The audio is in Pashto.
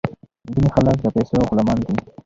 ځینې خلک د پیسو غلامان دي.